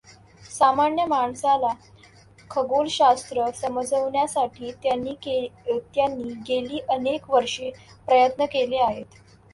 सामान्य माणसाला खगोलशास्त्र समजवण्यासाठी त्यांनी गेली अनेक वर्षे प्रयत् न केले आहेत.